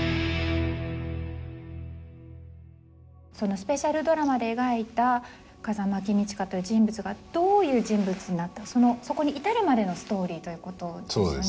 スペシャルドラマで描いた風間公親という人物がどういう人物になったそこに至るまでのストーリーということですよね。